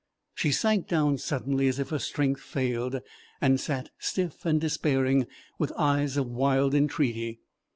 She sank down suddenly as if her strength failed, and sat stiff and despairing, with eyes of wild entreaty.